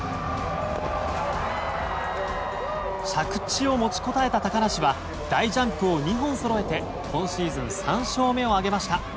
着地を持ちこたえた高梨は大ジャンプを２本そろえて今シーズン３勝目を挙げました。